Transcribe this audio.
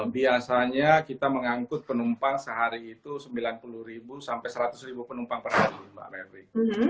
biasanya kita mengangkut penumpang sehari itu sembilan puluh sampai seratus penumpang per hari mbak merwi